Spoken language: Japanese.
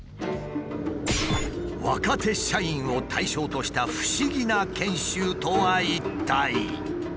若手社員を対象とした不思議な研修とは一体。